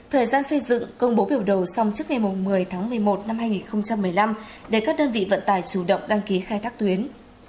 thời gian xây dựng công bố biểu đồ xong trước ngày một mươi tháng một mươi một năm hai nghìn một mươi năm để các đơn vị vận tải chủ động đăng ký khai thác tuyến